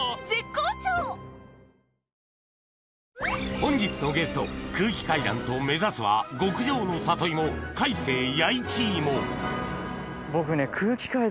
本日のゲスト空気階段と目指すは極上の里芋開成弥一芋僕ね。